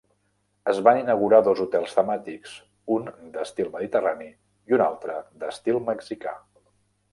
Es van inaugurar dos hotels temàtics: un d'estil mediterrani i un altre d'estil mexicà.